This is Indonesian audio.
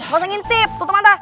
gausah ngintip tutup mata